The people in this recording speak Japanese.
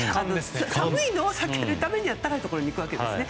寒いのを避けるために暖かいところに行くわけですね。